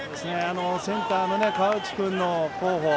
センターの河内君の好捕